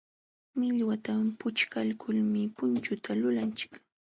Millwata puchkaykulmi punchuta lulanchik.